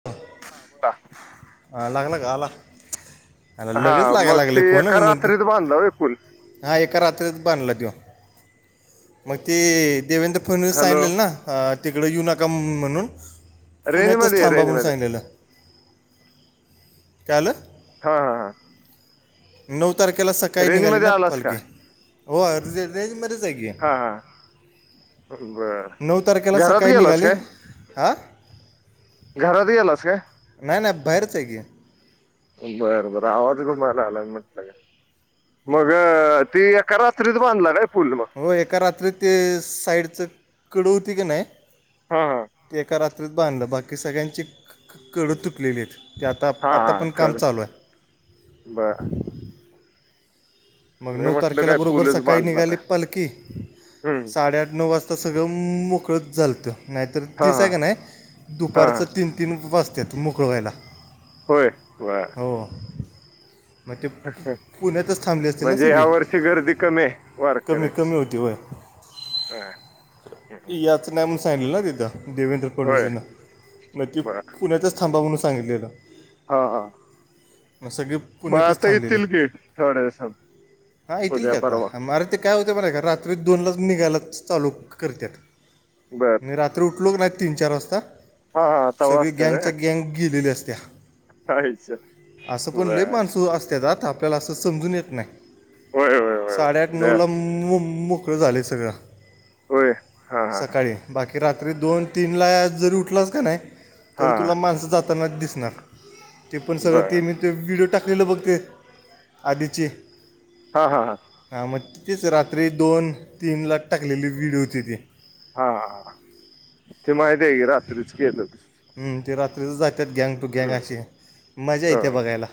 [inaudible] हा बोला. हा लागला का, आला? अरे लगेच लागाय मग ते लागलंय फोन एका मग त्यो रात्रीत बांधला होय पूल हा एका रात्रीत बांधला त्यो. मग ते देवेंद्र पण हॅलो सांगितलेलं ना तिकडे येऊ नका म्हणून, रेंज पुण्यातच मध्ये ये थांबा रेंज म्हणून मध्ये सांगितलेलं. काय आलं. हा हा हा. नऊ तारखेला सकाळी रेंज निघाली मध्ये ना आलास का पालखी? होय तुझं रेंजमध्येच हाय की. हा हा. बर नऊ तारखेला घरात सकाळी गेलास निघाले. काय हा? घरात गेलास काय? नाय नाय बाहेरच हाय की. बर बर आवाज घुमाय लागलाय म्हटलं. मग ती एका रात्रीत बांधला काय पूल मग? हो एका रात्री ते साईडचं कड होती की नाही, हा हा ते एका रात [unintelligible] बाकी सगळ्यांची क-क-कड तुटलेली आहेत. ती आता हा आता हा पण काम कर चालू आहे. बर. मग मी नऊ म्हटलं तारखेला काय बरोबर पूलच सकाळी बांधला काय निघाली पालखी. हम्म साडेआठ नऊ वाज तसं गम मोकळच झालतं, नाहीतर हा तीच हा हाय कनई हा हा. दुपारचं तीन तीन वाजत्यात मोकळं व्हायला. होय. बर हो मग ते, पुण्यातच थांबलेत. म्हणजे या वर्षी गर्दी कमी आहे कमी कमी वारकऱ्याची. होती वय होय. हम्म हम्म. यायचं नाही म्हणून सांगितलेलं ना तिथं देवेंद्र होय फडणवीसानं, मग ती बर पुण्यातच खांबा म्हणून सांगितलेलं. हा हा. मग सगळी मग पुण्यातच आता येतील की थोड्या दिवसात. हा येथील की उद्या परवा आता मारुती काय होतंय, बरं का रात्री दोनलाच निघायला चालू करत्यात. बर मी रात्री उठलो कणी, तीन चार वाजता. हा हा तवा सगळी असतं व्हय गॅंगच्या गँग गेलेली असत्या. चाळीस असं पण लय बर माणसं असत्यात हा आता आपल्याला असं समजून येत नाही. होय होय होय होय साडेआठ लय नऊला असत मु- मोकळं झालेय सगळं. होय. हा हा सकाळी बाकी रात्री दोन तीनला जरी उठलास का नाही, हा तरी हा तुला माणसं जात तानाच दिसणार. तेपण सगळं बर ते मी ते एक व्हिडिओ टाकलेलं बघ ते, आधीचे. हां हां हां. हां. मग, तीच रात्री दोन तीन ला टाकलेली व्हिडिओ होती ती. हा. हा. ते माहिते की रात्रीचं केल होतंस ते. हम्म ते रात्रीच जातात गॅंग. ती गॅंग अशी आहे, मजा येते हं. बघायला.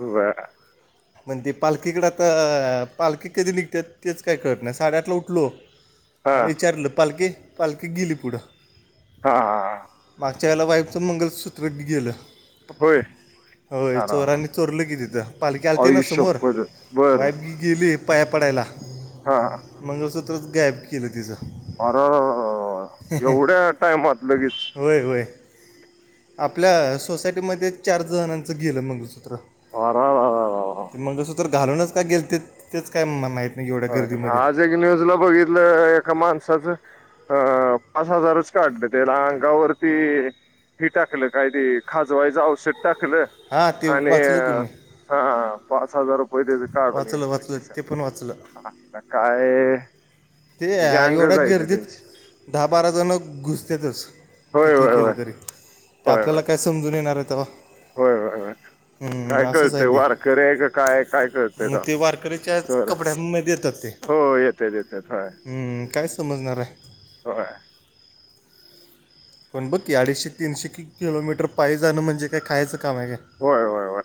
बर. मंग ते पालखीकडे आता पालखी कधी निघत्या तेच काय कळत नाही. साडेआठला उठलो हा आणि विचारलं पालखी पालखी गेली पुढं. हा हां. च्यायला वाईफचं मंगलसूत्र गेलं, होय होय.. अर चोराने चोरलं की. की तिथं, पालखी आलती ना आई समोर? शपथच बर वाय ती गेली पाया पडायला, हा मंगळसूत्रच गायब केलं तिचं. आरररर, एवढ्या टाइमात लगेच होय होय. आपल्या सोसायटीमध्ये चार जणांचं गेलं मंगळसूत्र. [unintelligible] मंगळसूत्र घालूनच का गेलतेत, तेच काय माहित नाही एवढ्या गर्दीमध्ये. ते न्यूजला बघितलं एका माणसाचं. हो पाच हजारच काढलं, त्याला अंगावरती ही टाकलं, काय ते खाजवायचं औषध टाकलं हां ते आणि वाचलं की मी हां.. पाच हजार रुपये तेच काढून वाचलं येतंय वाचलं खिशात. ते पण वाचलं. आता काय. ते एवढ्या गँगच आहे ते गर्दीत. त्यांची दहा बारा जणं घुसत्यातच, होय कितीही होय होय केलं तरी. तर होय होय आपल्याला काय समजून येणार हाय तवा. होय होय होय. काय आहे कळतंय ते वारकरी हाय का, काय हाय काय मग तवा ते वारकरीच्या चोर ये. कपड्यांमध्ये येतात ते हो.. येत्यात येत्यात होय. हम्म. काय समजणार आहे. होय. पण बघ की, अडीचशे तीनशे किलोमीटर पायी जाणं म्हणजे खायचं काम हाय कां. होय होय. होय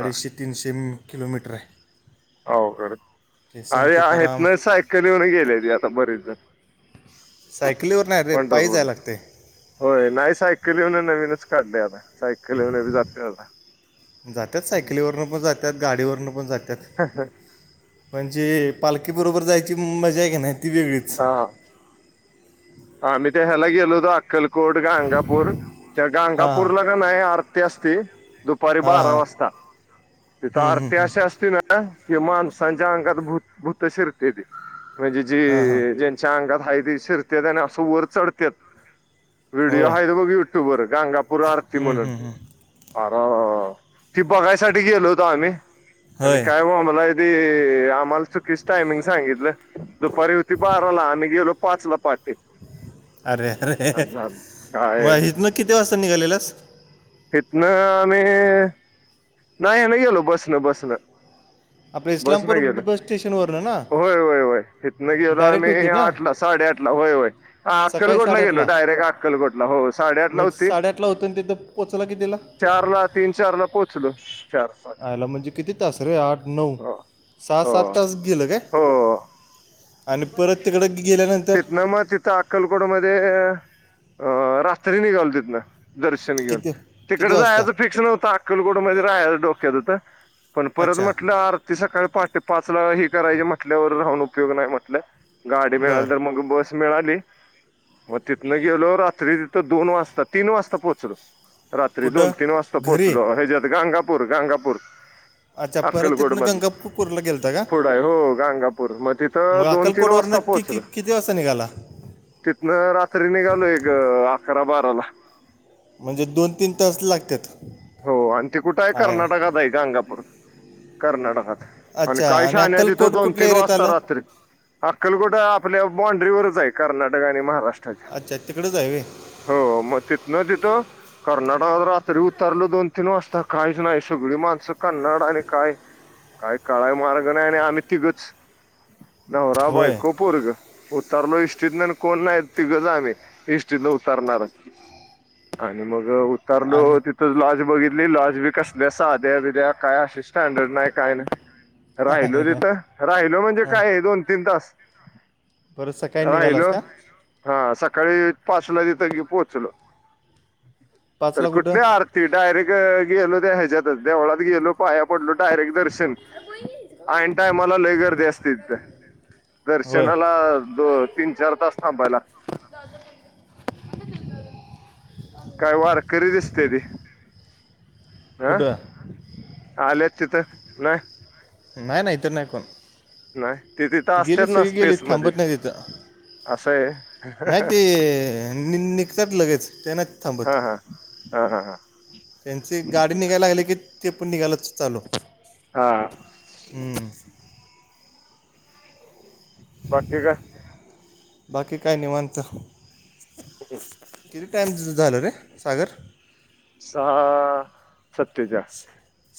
हा, तीनशे किलोमीटर हाय. अवघड [unintelligible] तुकाराम इथनं सायकली वरनं गेल्याती आतापर्यंत. सायकलीवर नाही रे, पायी जायला पंढरपूरला लागतंय. होय नाही सायकलीवरनं नवीनच काढलय आता, सायकली वरण बी जातंय आता. जात्यात सायकलीवरून पण, जात्यात गाडीवरनं पण जातात. हां हां.. पण जी, पालखी बरोबर जाण्याची मजा हाय कणी ती वेगळीच. हा आम्ही त्या ह्याला गेलो होतो, अक्कलकोट गांंगापूर. त्या हां हां गांगापूरला आरती असती दुपारी हां बारा हां वाजता, तिथं हम्म, हम्म, आरती हम्म. अशी असते ना. [unintelligible] हे माणसांच्या अंगात भूत भूत शिरत्याती. म्हणजे हां हां जे जे च्या अंगात हाय की, शिरत्यात आणि अस वर चढत्यात. व्हिडिओ होय आहेत बघ युट्यूब वर गाणगापूर आरती हम्म, म्हणून हम्म, हम्म. अरं अरं ती बघायसाठी गेलो होतो आम्ही होय काय बोंबलाय ते आम्हाला चुकीच टायमिंग सांगितलं. दुपारी होती बाराला आम्ही गेलो पाच ला प् अरे. अरे. काय मग इथ ना किती वाजता निघालेलास. हितं, आम्ही नाही हेन गेलो बसन, बसन. आपल्या बस न इस्लामपूर गेलं बस स्टेशनवरनं ना होय, होय, होय हितं गेलो डायरेक्ट होती आम्ही ना आठलाच. साडेआठ ला होय, होय सकाळी अक्कलकोटला गेलो. साडेआठला डायरेक्ट अक्कलकोटला हो साडेआठ ला होती. कला होतो तिथं पोचला कितीला? चार ला तीन, चार ला पोहोचलो. चार पाच आयला म्हणजे किती तास रे आठ नऊ, सहा, सात तास गेलं काय? आणि परत तिकडं गेल्यानंतर तिथ न मग ती, त्या अक्कलकोट मध्ये अ रात्री निघालो तिथंन. दर्शन घेऊन किती तिकड किती वाजता जायचं फिक्स नव्हतं. अक्कलकोड मध्ये राहायच डोक्यात होत. पण, परत अच्छा म्हटलं आरती सकाळी पहाटे पाच ला हे करायची म्हटल्यावर राहून उपयोग नाही म्हटलं. गाडी मिळाली बरं तर मग, बस मिळाली मग, तिथनं गेलो रात्री तिथं दोन वाजता, तीन वाजता पोहोचलो. रात्री दोन, कुठं तीन वाजता घरी पोहोचलो ह्याच्यात गांंगापूर, गांंगापूर. अच्छा परत अक्कलकोट तिथनं मधन गंगापूरला गेलता का पुढं आहे हो, गांंगापूर मग तिथं दोन तीन अक्कलकोटवर वाजता की, की पोहोचलो किती वाजता निघाला. तिथनं रात्री निघालो एक अकरा, बाराला म्हणजे दोन तीन तास लागत्यात? हो, आणि ते कुठं आहे कर्नाटकात आहे, गांणगापूर कर्नाटकात आणि अच्छा काही शहाण्या तिथं अक्कलकोट दोन कुठल्या तीन एरियात वाजता आलं रात्री अक्कलकोट आपल्या बाँड्रीवरच आहे कर्नाटक आणि महाराष्ट्रा अच्छा तिकडेच आहे व्हय हो मग तिथं न तिथं कर्नाटकात रात्री तरल दोन तीन वाजता काहीच ना य सगळी माणसं कन्नड आणि काय. काय काळाय मार्ग नाही आणि आम्ही तिघच, नवरा होय बायको पोरग उतारलो इष्टीतन कोण नाही तिघंच आम्ही इष्टी तन उतारणार. आणि मग उतारलो आणि तिथ. तर लॉज बघितली लॉज बी कसल्या साध्या बिद्या काय अशी स्टँडर्ड नाही काय नाही. राहिलो आहे ना तिथं राहिलो म्हणजे हां काय दोन तीन तास? बरं सकाळी हा निघालास हॅलो. का हा सकाळी पाचला तिथ पोहोचलो तर पाचला कुठं कुठले आर त डारेक्ट गेलो ते ह्याच्याात देवळात गेलो. पाया पडलो डायरेक्ट दर्शन ऐनं टायमला लय गर्दी असते तिथं. होय दर्शनाला दो तीन चार तास थांबायला लाग काय वारकरी दिसते ती. हा कुठं आल्यात तिथं ना नाही नाही इथं नाही कोण नाही ते तिथं असतात गेलीत ना सगळी गेलीत स्पेस मध्ये थांबत ते. नाहीत इथं असं आहे नाही ते निघतात लगेच त्या नाहीत थांबत. हा हा, हा हा हा. त्यांची गाडी निघायला लागली की, ते पण निघायलाच चालू हा हंम. बाकी काय. बाकी काय निवांत. काय किती टाइम झालं रे सागर. सहा सत्तेच्याळ.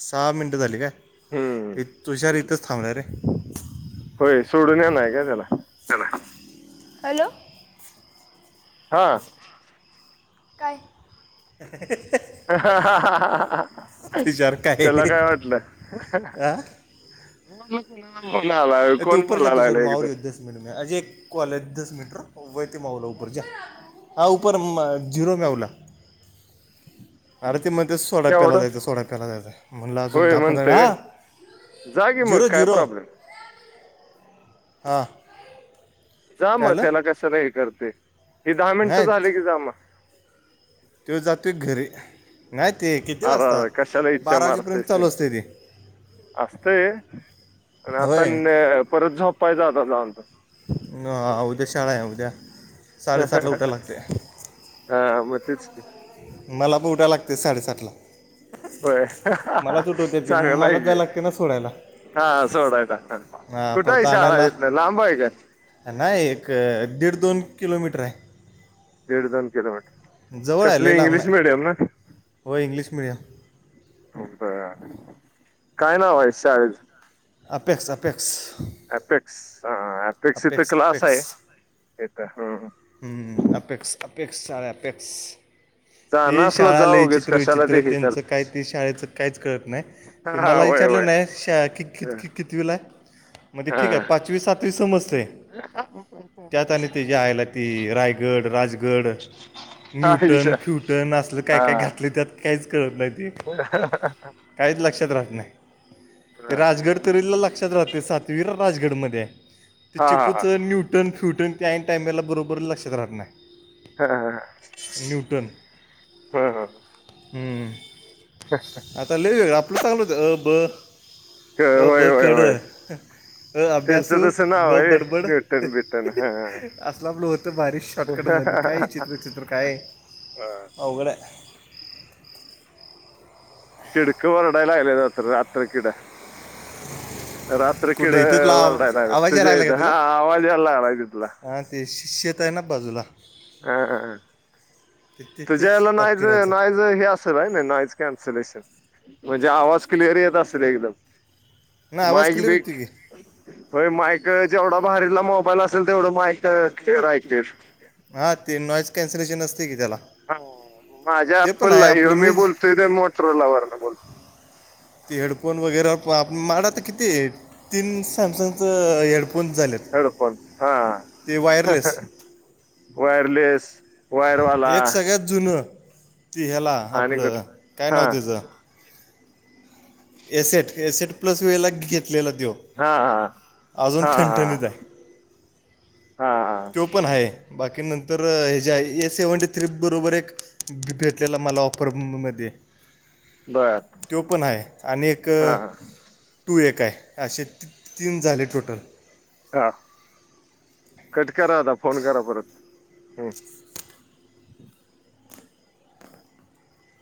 सहा मिनटं झाली काय हम्म ते तुषार इथंच थांबलाय रे. होय, सोडून येणार काय त्याला? [unintelligible] हॅलो! हा. काय? [unintelligible] [unintelligible] त्याला काय वाटलं? हा मी म्हणलं कोणाला फोन लागलाय, कोण बोलायला लागल एक तर? [unintelligible] आओ पर म झिरो घावला. अरे ती म्हणते ते सोडा प्यायला केवढं जायचा, सोडा प्याय जायचा म्हटलं अजून होय दहा पंधरा म्हणतोय हा जा कि मग झिरो काय झिरो प्रॉब्लेम हा. जा काय मग आलं त्याला कशाला हे करते हे दहा मिनटं नाही झाले की जा मग. त्यो जातोय घरी नाही ते किती अरे वाजता अरे कशाला बारा वाजेपर्यंत चालू असतय ते. असतय पण आता होय न परत झोपायचं आता जाऊन. ह उद्या शाळा आहे, उद्या साडेसातला उठायला लागतेय. हा म तेच की. मला पण उठाय लागते साडेसातला. होय मलाच उठवते ती मला चांगलंय कि. जायला लागते ना सोडायला हा सोडायला हा कुठ आहे शाळा ईथन लांब आहे का? ना एक दीड दोन किलोमीटर आहे. दीड दोन किलोमीटर, जवळ आहे लय कसली लांब इंग्लिश नाही मिडियम ना? हो इंग्लिश मिडियम. हो बरं काय नाव आहे शाळेचं? Apex Apex. अपेक्स ह अपेक्स इथ क्लास आहे इथं ह. हम अपेक्क्स अपेक्क्स आहे अपेक्क्स. जाण ती असलं शाळा जा लय उगीच चित्र कशाला विचित्र, ते हे त्यांचं काय करतेस ते शाळेचं काहीच कळत नाही. ते हा मला होय विचारलं होय नाही, शा कित कित कितवीला हाय? मग ते हा ठीक आहे पाचवी सातवी समजतें त्यात आणि ते हे आयला ते रायगड राजगड. हा न्यूटन विषय फ्युटन असलं काय हा काय घातलंय त्यात, काहीच कळत नाही ते. काहीच लक्षात राहत नाही. ते राजगड तरीला लक्षात राहतंय, सातवीला राजगडमध्ये हाय. ते हा चिकूच हा न्यूटन फ्युटन त्या ऐन टायमाला बर बर लक्षात राहत नाही. हा न्यूटन हम. हा हां [unintelligible] आता ले आपलं चांगलं होत अ ब अ होय ब होय क ड. होय अ त्यांचं अभ्यासू तसं नाव ब आहे बडबड न्यूटन बिटन हा असला फ्लो तो भारी शॉर्टकटमध्ये, काय चित्रचित्र काय अवघड हाय. किडक वरडाय लागलेला, रात रात्र किडा. रात्री किड कुठं इथं तुला आव- ओरडायला लागल्यात आवाज तुझे हा आवाज याय लागलाय तिथला. हा ते शे शेत आहे ना बाजूला. हा ते ते तेच तपकिराच. तुझं हे असंल हाय नाय नॉईज कॅन्सलेशन, म्हणजे आवाज क्लिअर येत असेल एकदम. ना आवाज मायक क्लिअर होती बीट. की होय मायक जेवढा भारीयला मोबाईल असेल तेवढं मायक [unintelligible] हां ते नॉईज कॅन्सलेशन असतंय की त्याला. हा माझ्या ते पण आहे ऐप्पलला, आपलं ह्यो मी मीच बोलतोय ते मोटोरोला वरनं बोल ते हेडफोन वगैरा मायड तर किती येत तीन सॅमसंगच हेडफोन झालेत. हेडफोन हा ते वायरलेस वायरलेस वायरवाला एक सगळ्यात जुनं ती ह्याला आणि कुठ आपलं काय हा नाव तेज्या एसेट एसेट प्लस वेला घेतलेला त्यो हा हा हा. त्यो पण हाय. बाकी नंतर हे जे ए सेवनटी थ्री बरोबर एक भेटलेला मला ऑफरमध्ये. बर त्यो पण आहे आणि एक हा तू एक आहे असे ती-ती-तीन झाले टोटल. हां, कट करा आता फोन करा परत हम्म.